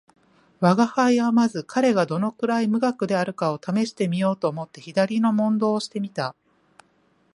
吾輩はまず彼がどのくらい無学であるかを試してみようと思って左の問答をして見た